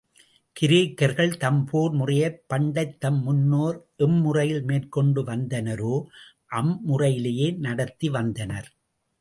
கிரேக்கர்கள் தம்போர் முறையைப் பண்டைத் தம் முன்னோர் எம்முறையில் மேற்கொண்டு வந்தனரோ, அம்முறையிலேயே நடத்தி வந்தனர்.